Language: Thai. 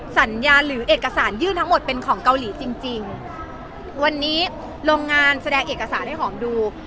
สัญญาหรือเอกสารยื่นทั้งหมดเป็นของเกาหลีจริงจริงวันนี้โรงงานแสดงเอกสารให้หอมดู